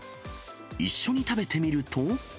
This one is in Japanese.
一緒に食べてみると。